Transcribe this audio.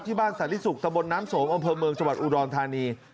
บ้านสาธิสุขตะบนน้ำสมอำเภอเมืองจังหวัดอุดรธานี